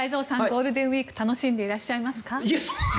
ゴールデンウィーク楽しんでいらっしゃいますか？